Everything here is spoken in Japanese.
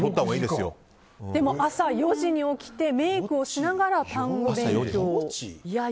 でも朝４時に起きてメイクをしながら単語勉強を。